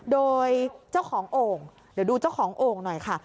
โดยเจ้าของโอ่งเดี๋ยวดูเจ้าของโอ่งหน่อยค่ะ